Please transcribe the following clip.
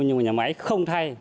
nhưng mà nhà máy không thay